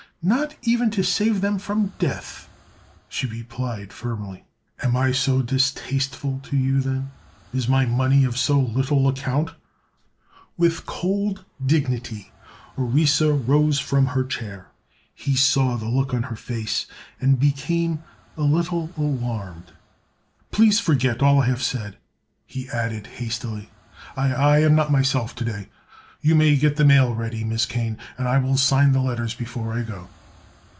"Not even to save them from death!" she replied firmly. "Am I so distasteful to you, then? Is my money of so little account?" With cold dignity Orissa rose from her chair. He saw the look on her face and became a little alarmed. "Please forget all I have said," he added, hastily. "I—I am not myself to day. You may get the mail ready, Miss Kane, and I will sign the letters before I go."